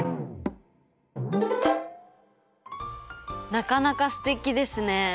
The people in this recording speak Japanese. なかなかすてきですね。